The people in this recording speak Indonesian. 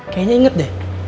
kayaknya inget deh